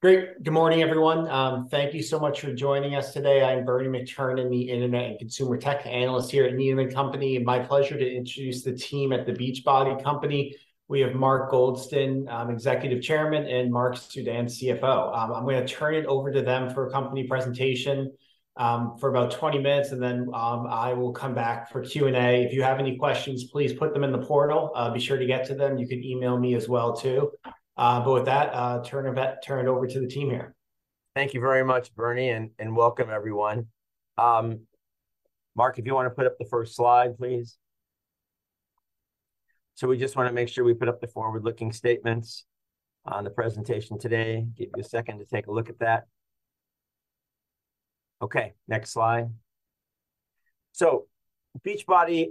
Great. Good morning, everyone. Thank you so much for joining us today. I'm Bernie McTernan, the internet and consumer tech analyst here at Needham & Company, and my pleasure to introduce the team at the Beachbody Company. We have Mark Goldston, Executive Chairman, and Marc Suidan, CFO. I'm gonna turn it over to them for a company presentation for about 20 minutes, and then I will come back for Q&A. If you have any questions, please put them in the portal. I'll be sure to get to them. You can email me as well, too. But with that, I'll turn it over to the team here. Thank you very much, Bernie, and welcome, everyone. Marc, if you wanna put up the first slide, please. So we just wanna make sure we put up the forward-looking statements on the presentation today. Give you a second to take a look at that. Okay, next slide. So Beachbody,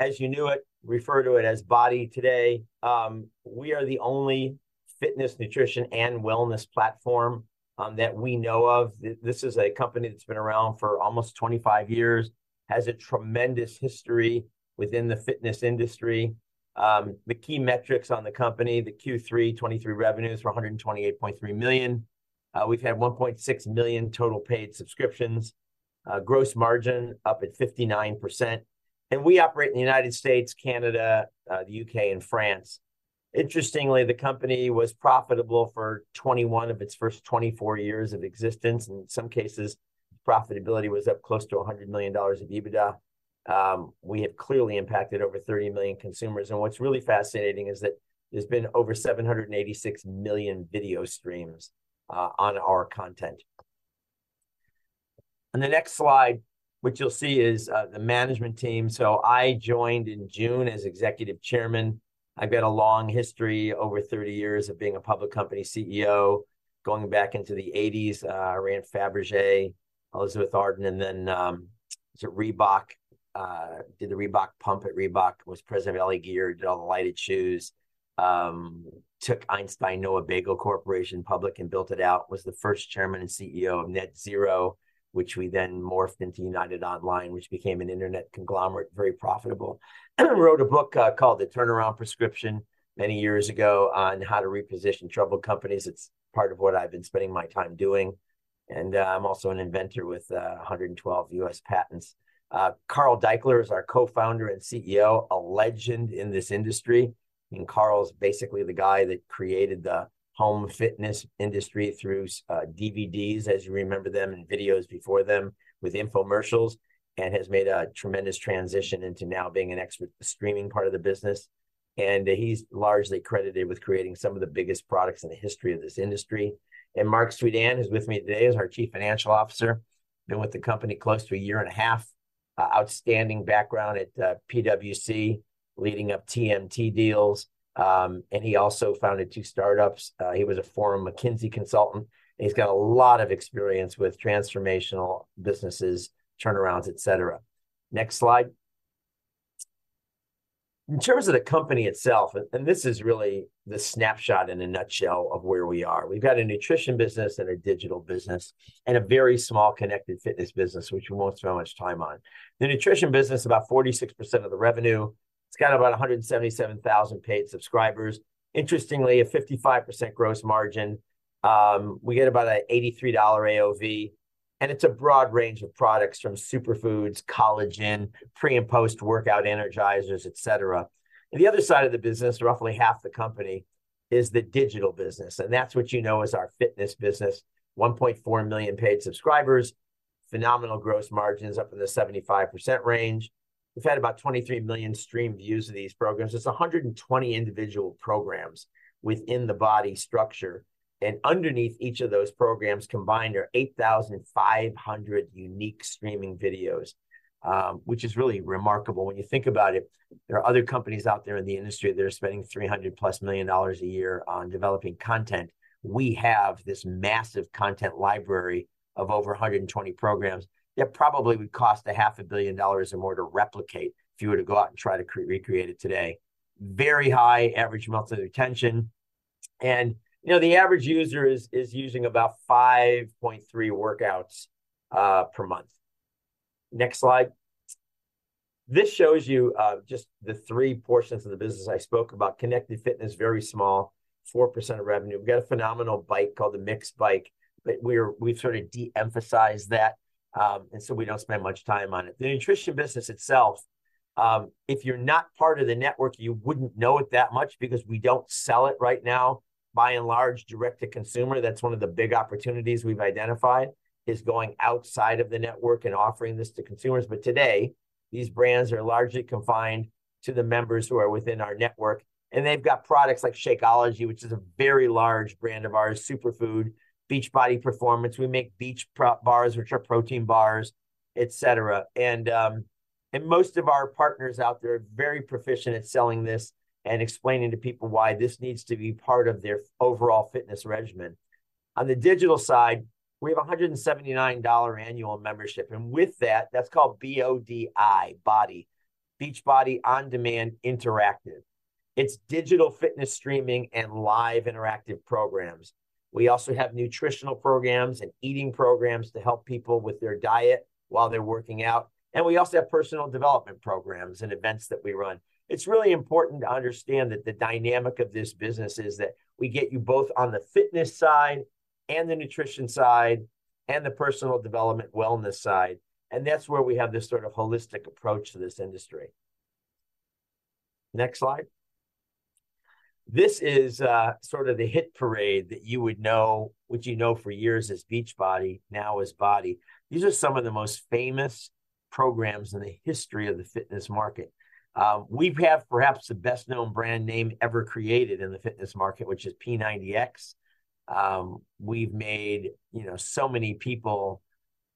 as you knew it, refer to it as BODi today. We are the only fitness, nutrition, and wellness platform, that we know of. This is a company that's been around for almost 25 years, has a tremendous history within the fitness industry. The key metrics on the company, the Q3 2023 revenues were $128.3 million. We've had 1.6 million total paid subscriptions. Gross margin up at 59%, and we operate in the United States, Canada, the U.K., and France. Interestingly, the company was profitable for 21 of its first 24 years of existence. In some cases, profitability was up close to $100 million of EBITDA. We have clearly impacted over 30 million consumers, and what's really fascinating is that there's been over 786 million video streams on our content. On the next slide, what you'll see is the management team. So I joined in June as Executive Chairman. I've got a long history, over 30 years of being a public company CEO. Going back into the '80s, I ran Fabergé, Elizabeth Arden, and then to Reebok, did the Reebok Pump at Reebok, was President of L.A. Gear, did all the lighted shoes. Took Einstein Noah Bagel Corp. public and built it out, was the first Chairman and CEO of NetZero, which we then morphed into United Online, which became an internet conglomerate, very profitable. I wrote a book called The Turnaround Prescription many years ago on how to reposition troubled companies. It's part of what I've been spending my time doing, and I'm also an inventor with 112 U.S. patents. Carl Daikeler is our Co-Founder and CEO, a legend in this industry, and Carl's basically the guy that created the home fitness industry through DVDs, as you remember them, and videos before them with infomercials, and has made a tremendous transition into now being a streaming part of the business. And he's largely credited with creating some of the biggest products in the history of this industry. Marc Suidan, who's with me today, is our Chief Financial Officer, been with the company close to a year and a half. Outstanding background at PwC, leading up TMT deals, and he also founded two startups. He was a former McKinsey consultant, and he's got a lot of experience with transformational businesses, turnarounds, et cetera. Next slide. In terms of the company itself, this is really the snapshot in a nutshell of where we are. We've got a nutrition business and a digital business and a very small connected fitness business, which we won't spend much time on. The nutrition business, about 46% of the revenue. It's got about 177,000 paid subscribers. Interestingly, a 55% gross margin. We get about an $83 AOV, and it's a broad range of products from superfoods, collagen, pre- and post-workout energizers, et cetera. The other side of the business, roughly half the company, is the phygital business, and that's what you know as our fitness business. 1.4 million paid subscribers, phenomenal gross margins up in the 75% range. We've had about 23 million stream views of these programs. It's 120 individual programs within the BODi structure, and underneath each of those programs combined are 8,500 unique streaming videos, which is really remarkable when you think about it. There are other companies out there in the industry that are spending $300+ million a year on developing content. We have this massive content library of over 120 programs that probably would cost $500 million or more to replicate if you were to go out and try to recreate it today. Very high average monthly retention, and, you know, the average user is using about 5.3 workouts per month. Next slide. This shows you just the three portions of the business I spoke about. Connected fitness, very small, 4% of revenue. We've got a phenomenal bike called the MYX bike, but we've sort of de-emphasized that, and so we don't spend much time on it. The nutrition business itself, if you're not part of the network, you wouldn't know it that much because we don't sell it right now, by and large, direct to consumer. That's one of the big opportunities we've identified, is going outside of the network and offering this to consumers. But today, these brands are largely confined to the members who are within our network, and they've got products like Shakeology, which is a very large brand of ours, superfood, Beachbody Performance. We make Beach Bars, which are protein bars, et cetera. And most of our partners out there are very proficient at selling this and explaining to people why this needs to be part of their overall fitness regimen. On the digital side, we have a $179 annual membership, and with that... That's called B-O-D-I, BODi, Beachbody On Demand Interactive. It's digital fitness streaming and live interactive programs. We also have nutritional programs and eating programs to help people with their diet while they're working out, and we also have personal development programs and events that we run. It's really important to understand that the dynamic of this business is that we get you both on the fitness side and the nutrition side and the personal development wellness side, and that's where we have this sort of holistic approach to this industry. Next slide. This is sort of the hit parade that you would know, which you know for years as Beachbody, now as BODi. These are some of the most famous programs in the history of the fitness market. We have perhaps the best-known brand name ever created in the fitness market, which is P90X. We've made, you know, so many people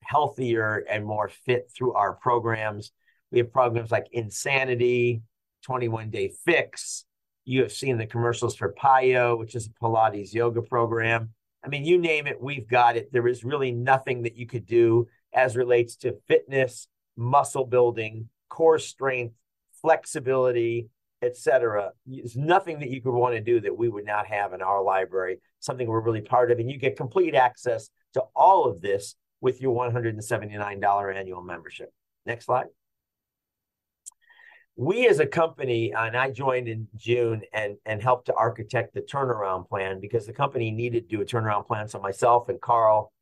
healthier and more fit through our programs. We have programs like Insanity, 21 Day Fix. You have seen the commercials for PiYo, which is a Pilates yoga program. I mean, you name it, we've got it. There is really nothing that you could do as relates to fitness, muscle building, core strength, flexibility, et cetera. There's nothing that you could want to do that we would not have in our library, something we're really part of, and you get complete access to all of this with your $179 annual membership. Next slide. We as a company, and I joined in June and helped to architect the turnaround plan because the company needed to do a turnaround plan. So myself and Carl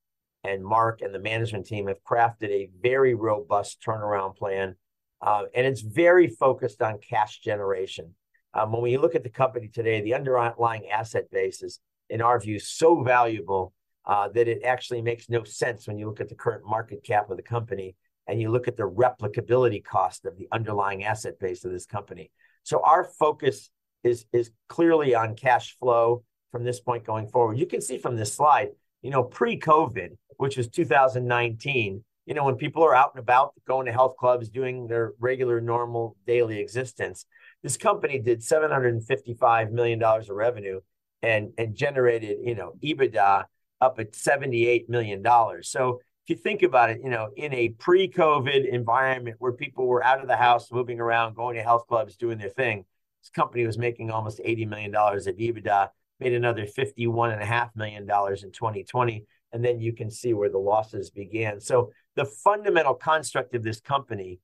and Marc and the management team have crafted a very robust turnaround plan, and it's very focused on cash generation. When we look at the company today, the underlying asset base is, in our view, so valuable that it actually makes no sense when you look at the current market cap of the company, and you look at the replicability cost of the underlying asset base of this company. So our focus is clearly on cash flow from this point going forward. You can see from this slide, you know, pre-COVID, which is 2019, you know, when people are out and about, going to health clubs, doing their regular, normal daily existence, this company did $755 million of revenue and generated, you know, EBITDA up at $78 million. So if you think about it, you know, in a pre-COVID environment, where people were out of the house, moving around, going to health clubs, doing their thing, this company was making almost $80 million of EBITDA, made another $51.5 million in 2020, and then you can see where the losses began. So the fundamental construct of this company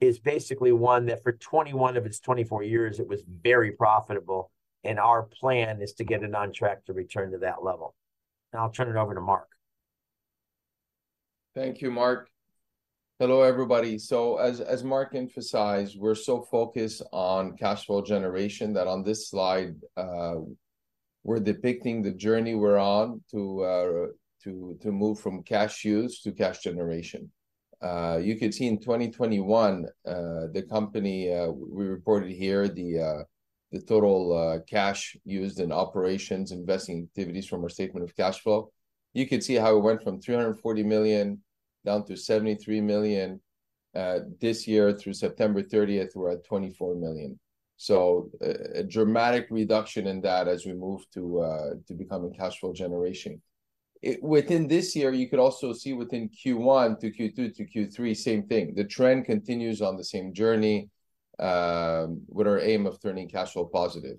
is basically one that for 21 of its 24 years, it was very profitable, and our plan is to get it on track to return to that level. Now I'll turn it over to Marc. Thank you, Mark. Hello, everybody. So as Mark emphasized, we're so focused on cash flow generation that on this slide, we're depicting the journey we're on to move from cash use to cash generation. You could see in 2021, the company, we reported here the total cash used in operations, investing activities from our statement of cash flow. You could see how it went from $340 million down to $73 million. This year through September thirtieth, we're at $24 million. So a dramatic reduction in that as we move to becoming cash flow generation. Within this year, you could also see within Q1 to Q2 to Q3, same thing. The trend continues on the same journey, with our aim of turning cash flow positive.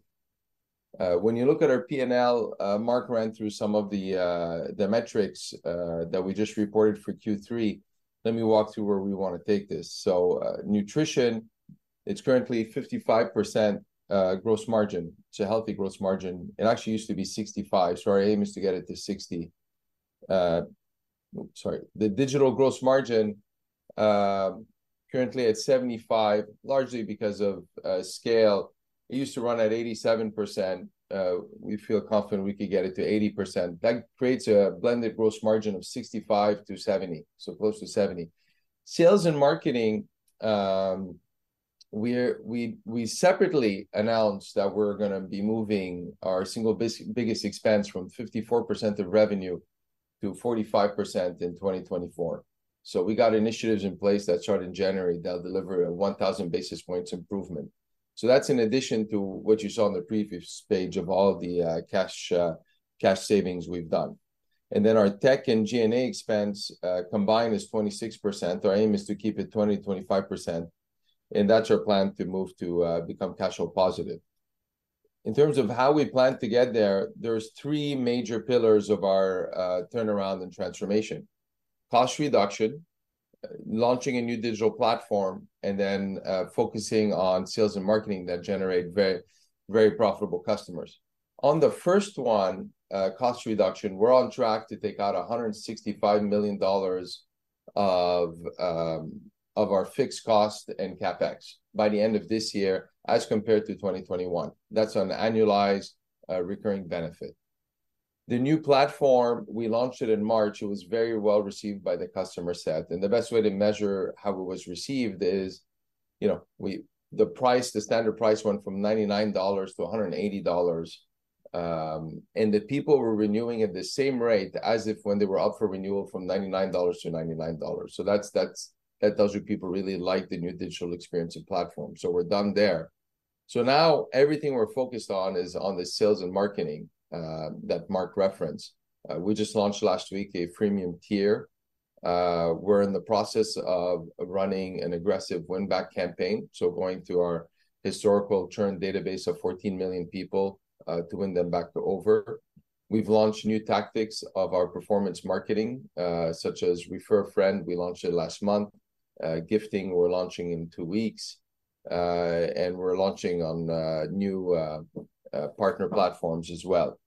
When you look at our P&L, Mark ran through some of the metrics that we just reported for Q3. Let me walk through where we want to take this. So, nutrition, it's currently 55% gross margin. It's a healthy gross margin. It actually used to be 65%, so our aim is to get it to 60%. Oops, sorry. The digital gross margin currently at 75%, largely because of scale. It used to run at 87%. We feel confident we could get it to 80%. That creates a blended gross margin of 65%-70%, so close to 70%. Sales and marketing, we separately announced that we're gonna be moving our single biggest expense from 54% of revenue to 45% in 2024. So we got initiatives in place that start in January that'll deliver a 1,000 basis points improvement. So that's in addition to what you saw on the previous page of all of the cash savings we've done. And then our tech and G&A expense combined is 26%. Our aim is to keep it 20%-25%, and that's our plan to move to become cash flow positive. In terms of how we plan to get there, there's three major pillars of our turnaround and transformation: cost reduction, launching a new digital platform, and then focusing on sales and marketing that generate very, very profitable customers. On the first one, cost reduction, we're on track to take out $165 million of our fixed cost and CapEx by the end of this year, as compared to 2021. That's an annualized, recurring benefit. The new platform, we launched it in March, it was very well-received by the customer set, and the best way to measure how it was received is, you know, the price, the standard price went from $99 to $180. And the people were renewing at the same rate as if when they were up for renewal from $99 to $99. So that's, that tells you people really like the new digital experience and platform. So we're done there. So now everything we're focused on is on the sales and marketing that Marc referenced. We just launched last week a premium tier. We're in the process of running an aggressive win-back campaign, so going through our historical churn database of 14 million people to win them back over. We've launched new tactics of our performance marketing, such as Refer a Friend, we launched it last month. Gifting, we're launching in two weeks, and we're launching on new partner platforms as well.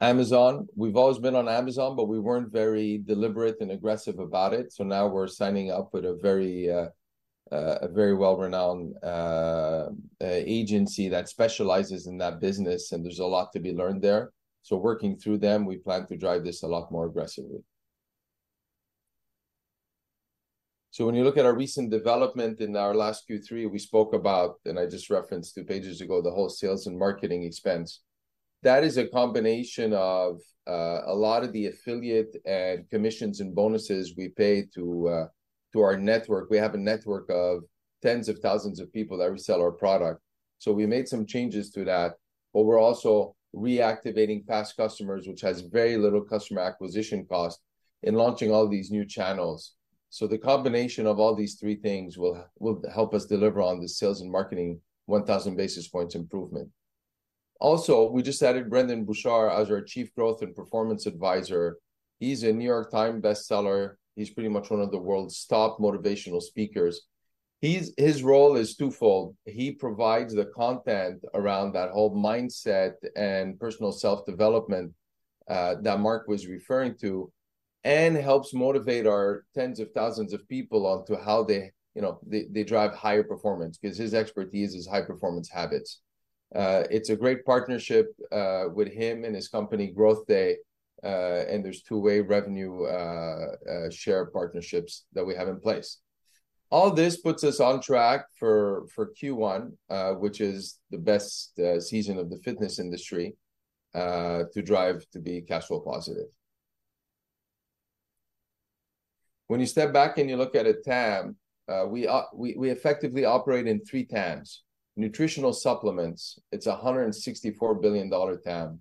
Amazon, we've always been on Amazon, but we weren't very deliberate and aggressive about it, so now we're signing up with a very well-renowned agency that specializes in that business, and there's a lot to be learned there. So working through them, we plan to drive this a lot more aggressively. So when you look at our recent development in our last Q3, we spoke about, and I just referenced two pages ago, the whole sales and marketing expense. That is a combination of a lot of the affiliate commissions and bonuses we pay to to our network. We have a network of tens of thousands of people that resell our product. So we made some changes to that, but we're also reactivating past customers, which has very little customer acquisition cost, in launching all these new channels. So the combination of all these three things will help us deliver on the sales and marketing 1,000 basis points improvement. Also, we just added Brendon Burchard as our Chief Growth and Performance Advisor. He's a New York Times bestseller. He's pretty much one of the world's top motivational speakers. His role is twofold. He provides the content around that whole mindset and personal self-development, that Mark was referring to, and helps motivate our tens of thousands of people on to how they, you know, they, they drive higher performance, 'cause his expertise is high-performance habits. It's a great partnership, with him and his company, GrowthDay, and there's two-way revenue share partnerships that we have in place. All this puts us on track for Q1, which is the best season of the fitness industry, to drive to be cash flow positive. When you step back and you look at a TAM, we effectively operate in three TAMs. Nutritional supplements, it's $164 billion TAM.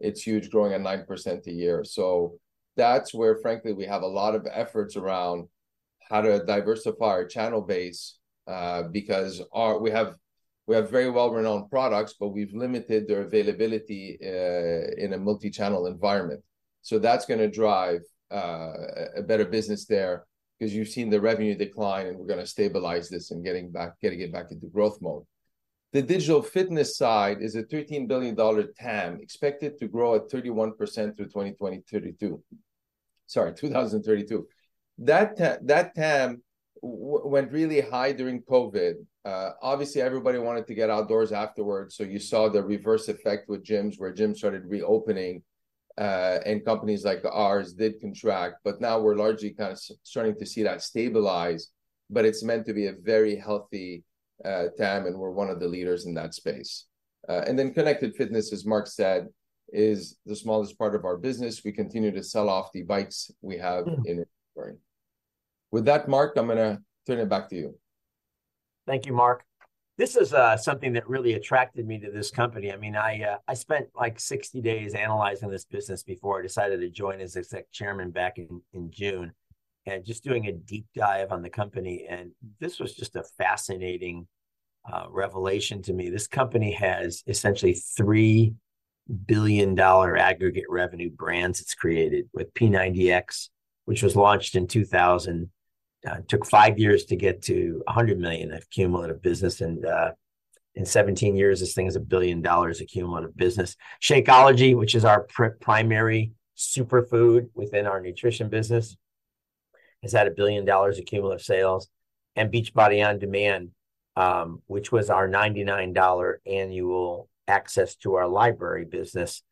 It's huge, growing at 9% a year. So that's where, frankly, we have a lot of efforts around how to diversify our channel base, because our... We have, we have very well-renowned products, but we've limited their availability in a multi-channel environment. So that's gonna drive a better business there, 'cause you've seen the revenue decline, and we're gonna stabilize this and getting it back into growth mode. The digital fitness side is a $13 billion TAM, expected to grow at 31% through 2032. Sorry, 2032. That TAM went really high during COVID. Obviously everybody wanted to get outdoors afterwards, so you saw the reverse effect with gyms, where gyms started reopening, and companies like ours did contract. But now we're largely kind of starting to see that stabilize, but it's meant to be a very healthy TAM, and we're one of the leaders in that space. And then connected fitness, as Mark said, is the smallest part of our business. We continue to sell off the bikes we have in inventory. With that, Mark, I'm gonna turn it back to you. Thank you, Marc. This is something that really attracted me to this company. I mean, I spent, like, 60 days analyzing this business before I decided to join as exec chairman back in June, and just doing a deep dive on the company, and this was just a fascinating revelation to me. This company has essentially $3 billion aggregate revenue brands it's created with P90X, which was launched in 2000. Took 5 years to get to $100 million of cumulative business, and in 17 years, this thing is $1 billion of cumulative business. Shakeology, which is our primary superfood within our nutrition business, is at $1 billion of cumulative sales. And Beachbody On Demand, which was our $99 annual access to our library business,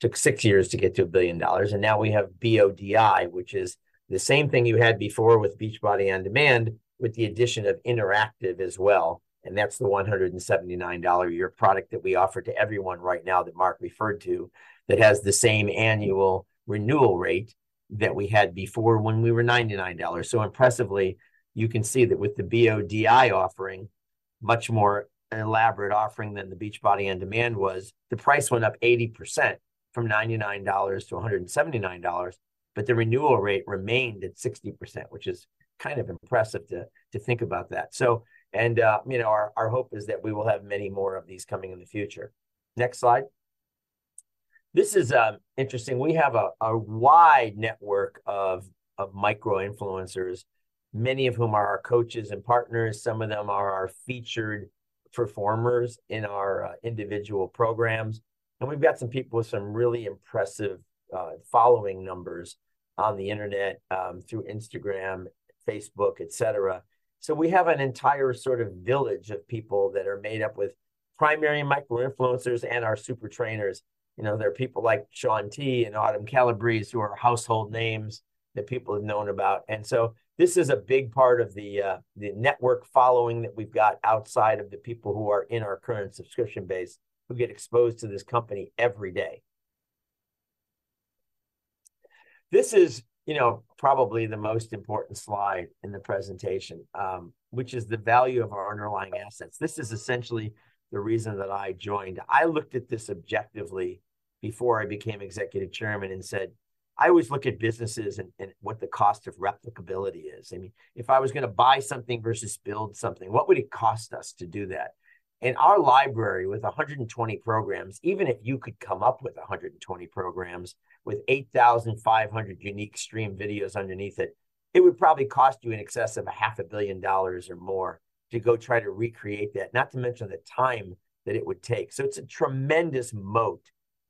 took 6 years to get to $1 billion. And now we have BODi, which is the same thing you had before with Beachbody On Demand, with the addition of interactive as well, and that's the $179-a-year product that we offer to everyone right now, that Mark referred to, that has the same annual renewal rate that we had before when we were $99. So impressively, you can see that with the BODi offering, much more an elaborate offering than the Beachbody On Demand was, the price went up 80%, from $99 to $179, but the renewal rate remained at 60%, which is kind of impressive to think about that. So, and you know, our hope is that we will have many more of these coming in the future. Next slide. This is interesting. We have a wide network of micro-influencers, many of whom are our coaches and partners. Some of them are our featured performers in our individual programs. And we've got some people with some really impressive following numbers on the internet through Instagram, Facebook, et cetera. So we have an entire sort of village of people that are made up with primary micro-influencers and our super trainers. You know, there are people like Shaun T and Autumn Calabrese, who are household names that people have known about. And so this is a big part of the network following that we've got outside of the people who are in our current subscription base, who get exposed to this company every day. This is, you know, probably the most important slide in the presentation, which is the value of our underlying assets. This is essentially the reason that I joined. I looked at this objectively before I became executive chairman and said, "I always look at businesses and, and what the cost of replicability is." I mean, if I was gonna buy something versus build something, what would it cost us to do that?... and our library, with 120 programs, even if you could come up with 120 programs with 8,500 unique stream videos underneath it, it would probably cost you in excess of $500 million or more to go try to recreate that, not to mention the time that it would take. So it's a tremendous moat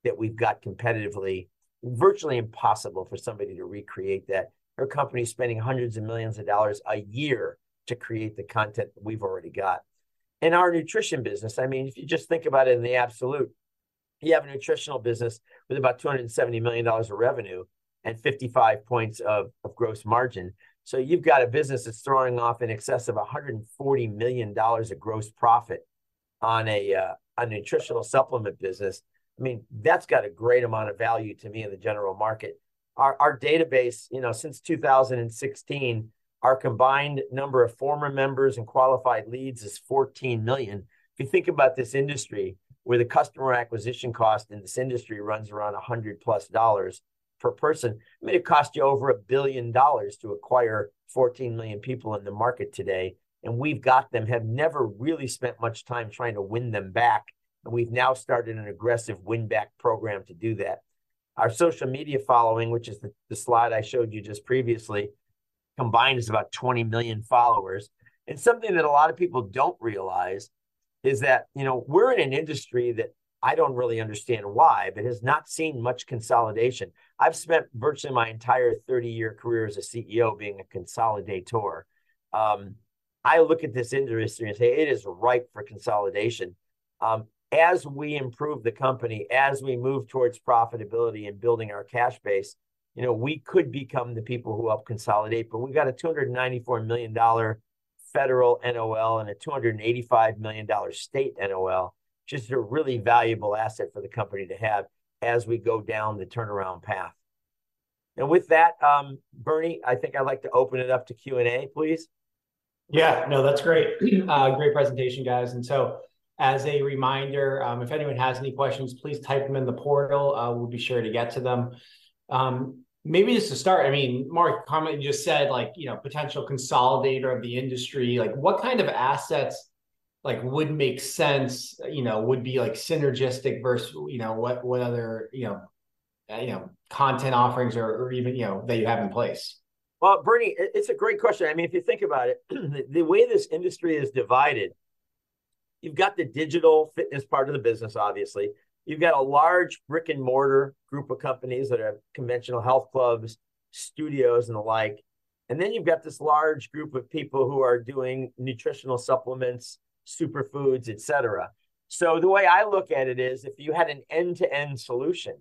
that we've got competitively, virtually impossible for somebody to recreate that. Our company's spending hundreds of millions of dollars a year to create the content we've already got. In our nutrition business, I mean, if you just think about it in the absolute, you have a nutritional business with about $270 million of revenue and 55 points of gross margin. So you've got a business that's throwing off in excess of $140 million of gross profit on a, a nutritional supplement business. I mean, that's got a great amount of value to me in the general market. Our database, you know, since 2016, our combined number of former members and qualified leads is 14 million. If you think about this industry, where the customer acquisition cost in this industry runs around $100+ per person, I mean, it'd cost you over $1 billion to acquire 14 million people in the market today, and we've got them. Have never really spent much time trying to win them back, and we've now started an aggressive win-back program to do that. Our social media following, which is the slide I showed you just previously, combined, is about 20 million followers. Something that a lot of people don't realize is that, you know, we're in an industry that I don't really understand why, but has not seen much consolidation. I've spent virtually my entire 30-year career as a CEO being a consolidator. I look at this industry and say it is ripe for consolidation. As we improve the company, as we move towards profitability and building our cash base, you know, we could become the people who help consolidate, but we've got a $294 million federal NOL and a $285 million state NOL, which is a really valuable asset for the company to have as we go down the turnaround path. With that, Bernie, I think I'd like to open it up to Q&A, please. Yeah. No, that's great. Great presentation, guys. And so as a reminder, if anyone has any questions, please type them in the portal. We'll be sure to get to them. Maybe just to start, I mean, Mark, comment, you just said, like, you know, potential consolidator of the industry. Like, what kind of assets, like, would make sense, you know, would be, like, synergistic versus, you know, what, what other, you know, content offerings or, or even, you know, that you have in place? Well, Bernie, it's a great question. I mean, if you think about it, the way this industry is divided, you've got the digital fitness part of the business, obviously. You've got a large brick-and-mortar group of companies that are conventional health clubs, studios, and the like. And then you've got this large group of people who are doing nutritional supplements, superfoods, et cetera. So the way I look at it is, if you had an end-to-end solution,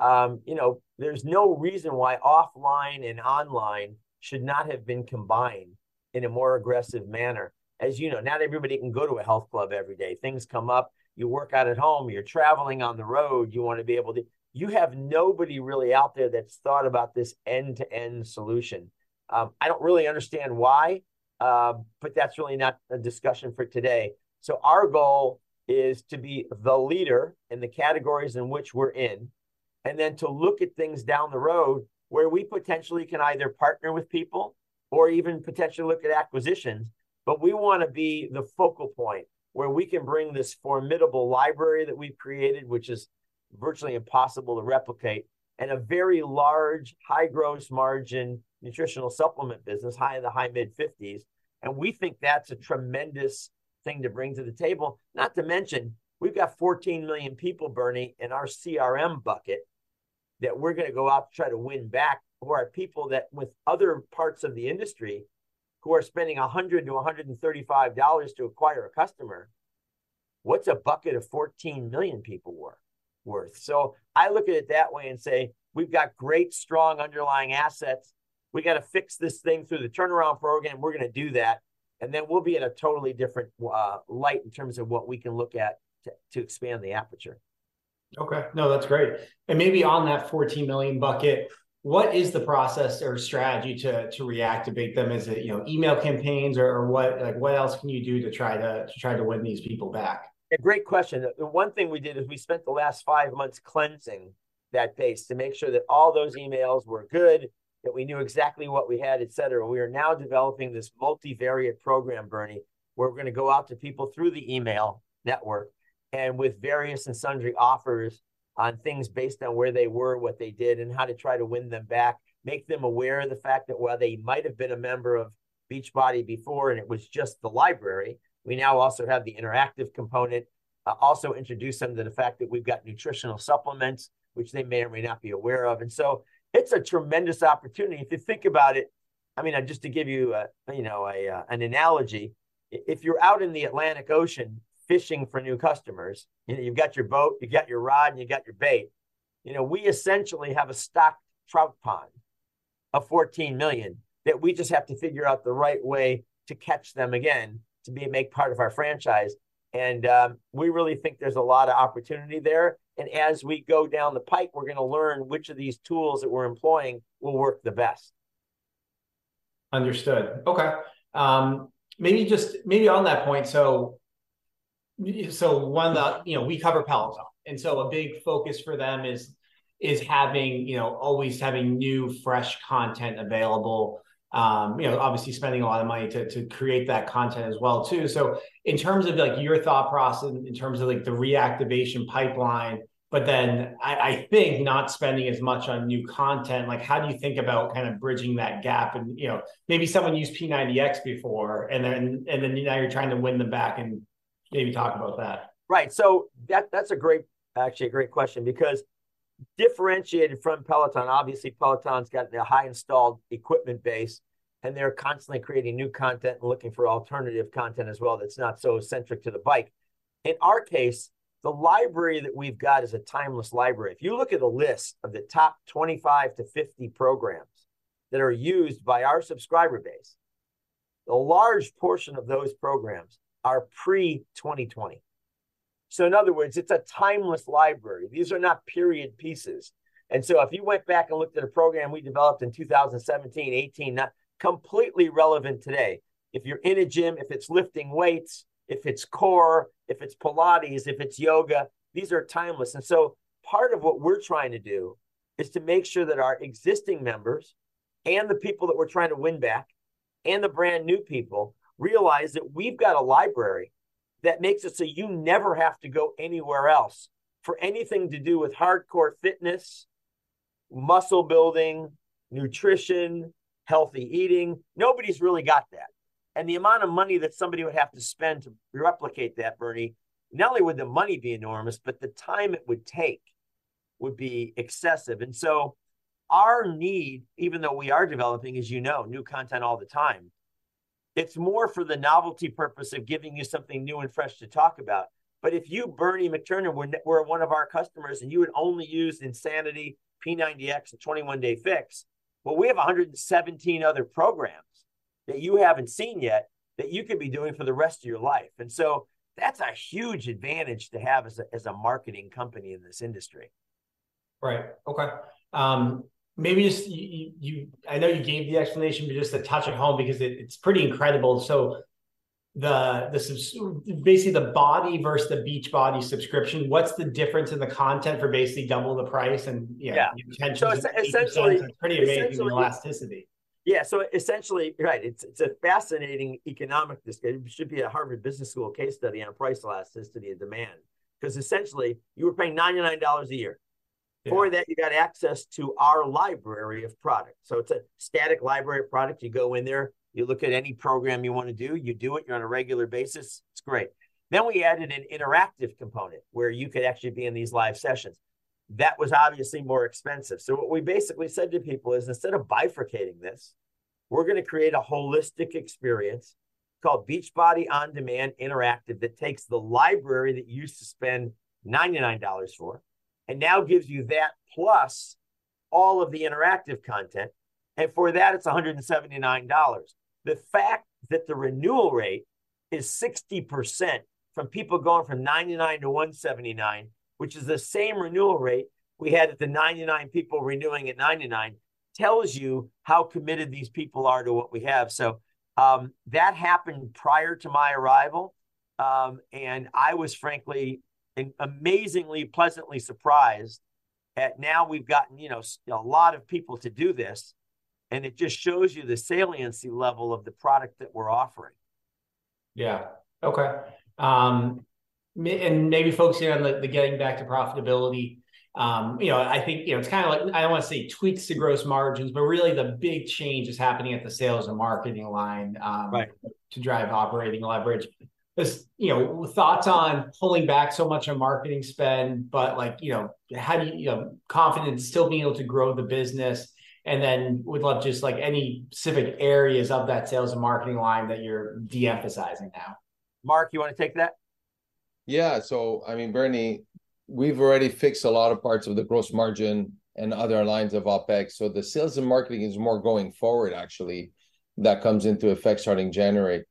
you know, there's no reason why offline and online should not have been combined in a more aggressive manner. As you know, not everybody can go to a health club every day. Things come up, you work out at home, you're traveling on the road, you want to be able to... You have nobody really out there that's thought about this end-to-end solution. I don't really understand why, but that's really not a discussion for today. So our goal is to be the leader in the categories in which we're in, and then to look at things down the road where we potentially can either partner with people or even potentially look at acquisitions. But we wanna be the focal point where we can bring this formidable library that we've created, which is virtually impossible to replicate, and a very large, high gross margin nutritional supplement business, high in the high mid-fifties, and we think that's a tremendous thing to bring to the table. Not to mention, we've got 14 million people, Bernie, in our CRM bucket that we're gonna go out and try to win back. Who are people that with other parts of the industry, who are spending $100-$135 to acquire a customer, what's a bucket of 14 million people worth? So I look at it that way and say, "We've got great, strong underlying assets. We gotta fix this thing through the turnaround program. We're gonna do that, and then we'll be in a totally different light in terms of what we can look at to expand the aperture. Okay. No, that's great. And maybe on that 14 million bucket, what is the process or strategy to reactivate them? Is it, you know, email campaigns or what, like, what else can you do to try to win these people back? A great question. The one thing we did is we spent the last five months cleansing that base to make sure that all those emails were good, that we knew exactly what we had, et cetera. We are now developing this multivariate program, Bernie, where we're gonna go out to people through the email network and with various and sundry offers on things based on where they were, what they did, and how to try to win them back. Make them aware of the fact that while they might have been a member of Beachbody before and it was just the library, we now also have the interactive component. Also introduce them to the fact that we've got nutritional supplements, which they may or may not be aware of. And so it's a tremendous opportunity. If you think about it... I mean, just to give you a, you know, an analogy, if you're out in the Atlantic Ocean fishing for new customers, and you've got your boat, you've got your rod, and you've got your bait, you know, we essentially have a stocked trout pond of 14 million that we just have to figure out the right way to catch them again, to make part of our franchise. And, we really think there's a lot of opportunity there, and as we go down the pike, we're gonna learn which of these tools that we're employing will work the best.... Understood. Okay, maybe just, maybe on that point, so, so one, you know, we cover Peloton, and so a big focus for them is having, you know, always having new, fresh content available. You know, obviously spending a lot of money to create that content as well too. So in terms of, like, your thought process, in terms of, like, the reactivation pipeline, but then I think not spending as much on new content, like, how do you think about kind of bridging that gap? And, you know, maybe someone used P90X before and then now you're trying to win them back and maybe talk about that. Right. So that, that's a great, actually a great question because differentiated from Peloton, obviously Peloton's got a high installed equipment base, and they're constantly creating new content and looking for alternative content as well that's not so centric to the bike. In our case, the library that we've got is a timeless library. If you look at a list of the top 25-50 programs that are used by our subscriber base, a large portion of those programs are pre-2020. So in other words, it's a timeless library. These are not period pieces. And so if you went back and looked at a program we developed in 2017, 2018, not completely relevant today. If you're in a gym, if it's lifting weights, if it's core, if it's Pilates, if it's yoga, these are timeless. Part of what we're trying to do is to make sure that our existing members and the people that we're trying to win back, and the brand-new people realize that we've got a library that makes it so you never have to go anywhere else for anything to do with hardcore fitness, muscle building, nutrition, healthy eating. Nobody's really got that. The amount of money that somebody would have to spend to replicate that, Bernie, not only would the money be enormous, but the time it would take would be excessive. Our need, even though we are developing, as you know, new content all the time, it's more for the novelty purpose of giving you something new and fresh to talk about. But if you, Bernie McTernan, were one of our customers, and you had only used Insanity, P90X, and 21 Day Fix, well, we have 117 other programs that you haven't seen yet that you could be doing for the rest of your life, and so that's a huge advantage to have as a, as a marketing company in this industry. Right. Okay. Maybe just you... I know you gave the explanation, but just to touch at home because it, it's pretty incredible. So the subs basically the BODi versus the Beachbody subscription, what's the difference in the content for basically double the price and, you know- Yeah -the potential- So essentially- It's pretty amazing elasticity. Yeah. So essentially, right, it's, it's a fascinating economic dispute. It should be a Harvard Business School case study on price elasticity and demand, 'cause essentially, you were paying $99 a year. Yeah. For that, you got access to our library of products. So it's a static library of products. You go in there, you look at any program you want to do, you do it on a regular basis. It's great. Then we added an interactive component where you could actually be in these live sessions. That was obviously more expensive. So what we basically said to people is, instead of bifurcating this, we're gonna create a holistic experience called Beachbody On Demand Interactive that takes the library that you used to spend $99 for and now gives you that, plus all of the interactive content, and for that, it's $179. The fact that the renewal rate is 60% from people going from $99 to $179, which is the same renewal rate we had at the $99 people renewing at $99, tells you how committed these people are to what we have. So, that happened prior to my arrival, and I was frankly, amazingly, pleasantly surprised at now we've gotten, you know, a lot of people to do this, and it just shows you the saliency level of the product that we're offering. Yeah. Okay. And maybe focusing on the getting back to profitability, you know, I think, you know, it's kind of like, I don't want to say tweaks to gross margins, but really the big change is happening at the sales and marketing line. Right... to drive operating leverage. Just, you know, thoughts on pulling back so much on marketing spend, but like, you know, how do you, you know, confident in still being able to grow the business, and then would love just like any specific areas of that sales and marketing line that you're de-emphasizing now. Mark, you want to take that? Yeah. So I mean, Bernie, we've already fixed a lot of parts of the gross margin and other lines of OpEx, so the sales and marketing is more going forward, actually, that comes into effect starting January.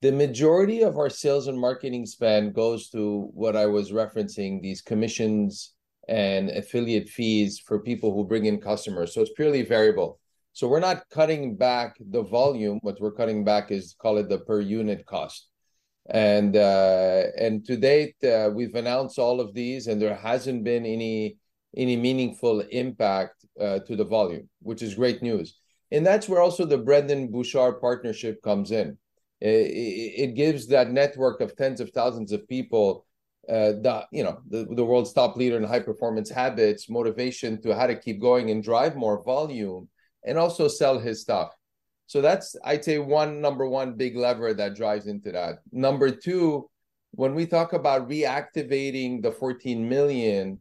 The majority of our sales and marketing spend goes to what I was referencing, these commissions and affiliate fees for people who bring in customers, so it's purely variable. So we're not cutting back the volume. What we're cutting back is, call it the per unit cost. And, and to date, we've announced all of these, and there hasn't been any, any meaningful impact, to the volume, which is great news. And that's where also the Brendon Burchard partnership comes in. It gives that network of tens of thousands of people, you know, the world's top leader in high-performance habits, motivation to how to keep going and drive more volume and also sell his stuff. So that's, I'd say, one, number one big lever that drives into that. Number two, when we talk about reactivating the 14 million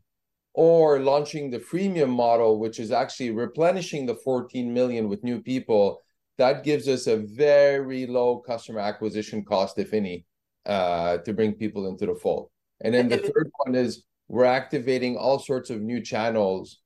or launching the freemium model, which is actually replenishing the 14 million with new people, that gives us a very low customer acquisition cost, if any, to bring people into the fold. And then- Then the third one is we're activating all sorts of new channels,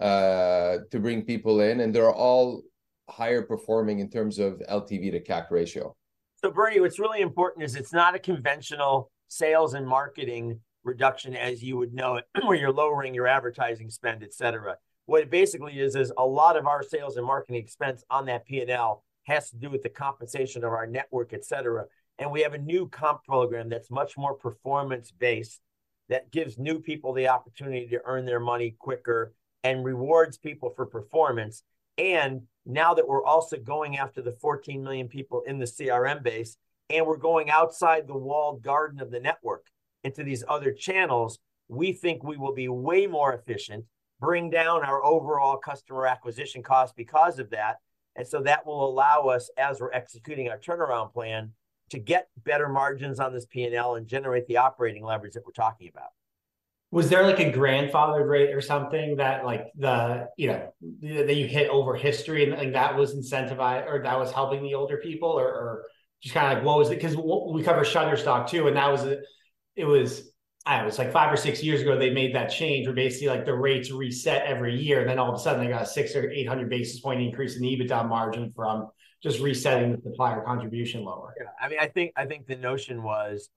to bring people in, and they're all higher performing in terms of LTV to CAC ratio.... So Bernie, what's really important is it's not a conventional sales and marketing reduction as you would know it, where you're lowering your advertising spend, et cetera. What it basically is, is a lot of our sales and marketing expense on that P&L has to do with the compensation of our network, et cetera. We have a new comp program that's much more performance-based, that gives new people the opportunity to earn their money quicker and rewards people for performance. Now that we're also going after the 14 million people in the CRM base, and we're going outside the walled garden of the network into these other channels, we think we will be way more efficient, bring down our overall customer acquisition cost because of that. That will allow us, as we're executing our turnaround plan, to get better margins on this P&L and generate the operating leverage that we're talking about. Was there, like, a grandfathered rate or something that, like, the, you know, that you hit over history and, and that was incentivized, or that was helping the older people? Or, or just kinda like, what was it? 'Cause we cover Shutterstock, too, and that was, I don't know, it was like 5 or 6 years ago, they made that change, where basically, like, the rates reset every year, and then all of a sudden they got a 600 or 800 basis point increase in EBITDA margin from just resetting the supplier contribution lower. Yeah. I mean, I think, I think the notion was,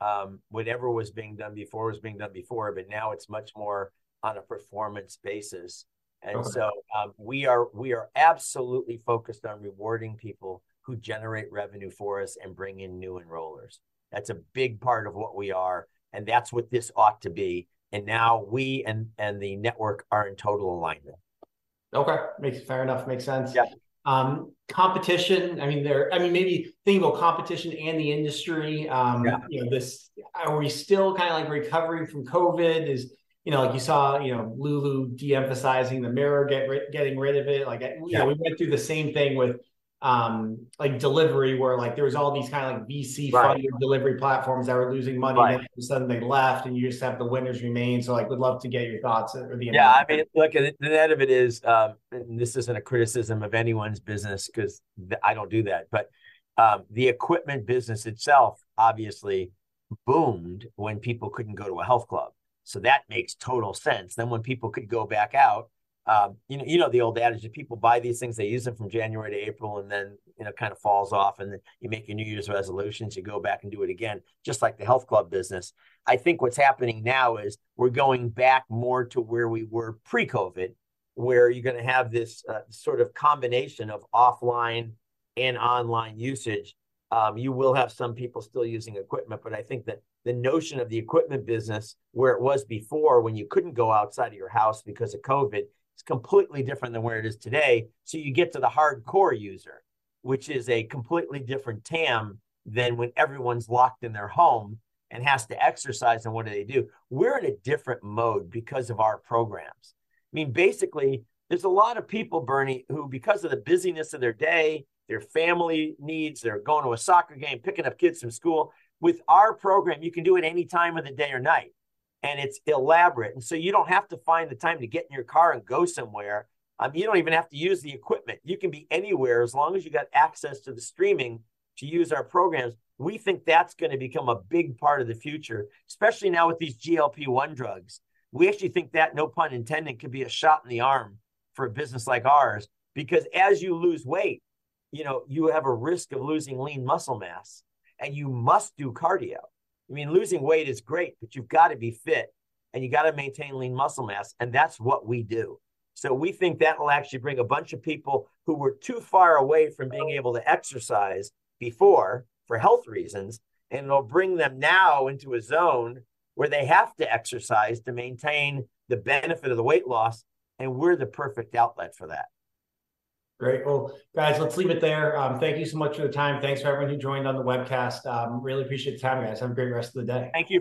whatever was being done before was being done before, but now it's much more on a performance basis. Got it. So, we are absolutely focused on rewarding people who generate revenue for us and bring in new enrollers. That's a big part of what we are, and that's what this ought to be. Now we and the network are in total alignment. Okay, fair enough. Makes sense. Yeah. Competition, I mean, I mean, maybe think about competition and the industry. Yeah... you know, this, are we still kinda like recovering from COVID? Is, you know, like you saw, you know, Lulu de-emphasizing the Mirror, getting rid of it. Like- Yeah... we went through the same thing with, like, delivery, where, like, there was all these kinda like VC- Right... funded delivery platforms that were losing money. Right. Then suddenly they left, and you just have the winners remain. So, like, we'd love to get your thoughts or the- Yeah, I mean, look, the net of it is, and this isn't a criticism of anyone's business, 'cause the, I don't do that, but, the equipment business itself obviously boomed when people couldn't go to a health club. So that makes total sense. Then when people could go back out, you know, you know the old adage that people buy these things, they use them from January to April, and then, you know, it kinda falls off, and then you make your New Year's resolutions, you go back and do it again, just like the health club business. I think what's happening now is we're going back more to where we were pre-COVID, where you're gonna have this, sort of combination of offline and online usage. You will have some people still using equipment, but I think that the notion of the equipment business, where it was before, when you couldn't go outside of your house because of COVID, is completely different than where it is today. So you get to the hardcore user, which is a completely different TAM than when everyone's locked in their home and has to exercise, and what do they do? We're in a different mode because of our programs. I mean, basically, there's a lot of people, Bernie, who, because of the busyness of their day, their family needs, they're going to a soccer game, picking up kids from school, with our program, you can do it any time of the day or night, and it's elaborate. And so you don't have to find the time to get in your car and go somewhere. You don't even have to use the equipment. You can be anywhere, as long as you got access to the streaming to use our programs. We think that's gonna become a big part of the future, especially now with these GLP-1 drugs. We actually think that, no pun intended, could be a shot in the arm for a business like ours. Because as you lose weight, you know, you have a risk of losing lean muscle mass, and you must do cardio. I mean, losing weight is great, but you've gotta be fit, and you've gotta maintain lean muscle mass, and that's what we do. We think that will actually bring a bunch of people who were too far away from being able to exercise before, for health reasons, and it'll bring them now into a zone where they have to exercise to maintain the benefit of the weight loss, and we're the perfect outlet for that. Great. Well, guys, let's leave it there. Thank you so much for the time. Thanks to everyone who joined on the webcast. Really appreciate the time, guys. Have a great rest of the day. Thank you, Bernie-